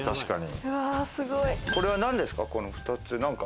これはなんですか？